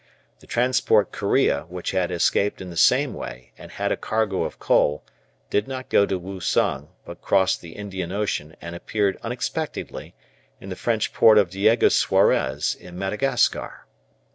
The transport "Korea," which had escaped in the same way, and had a cargo of coal, did not go to Woosung, but crossed the Indian Ocean and appeared unexpectedly in the French port of Diego Suarez in Madagascar.